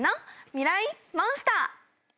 ミライ☆モンスター。